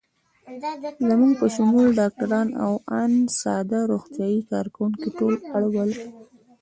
زموږ په شمول ډاکټران او آن ساده روغتیايي کارکوونکي ټول اړ ول.